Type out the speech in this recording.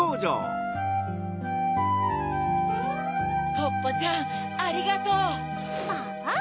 ポッポちゃんありがとう！ポポっ！